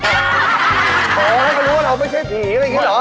โอ้มันรู้ว่าเราไม่ใช่ผีแล้วอย่างนี้เหรอ